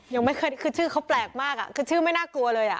ยังไม่เคยคือชื่อเขาแปลกมากอ่ะคือชื่อไม่น่ากลัวเลยอ่ะ